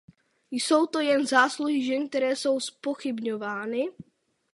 Jsou to jen zásluhy žen, které jsou zpochybňovány?